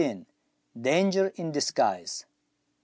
DANGER IN DISGUISE.